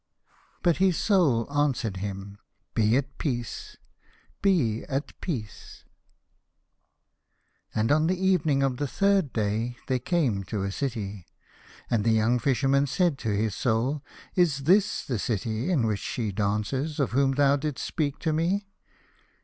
" But his Soul answered him, " Be at peace, be at peace." 1 1 1 A House of Pomegranates. And on the evening of the third day they came to a city, and the young Fisherman said to his Soul, " Is this the city in which she dances of whom thou did'st speak to me